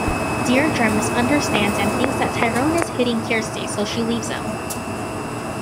Deirdre misunderstands and thinks that Tyrone is hitting Kirsty so she leaves him.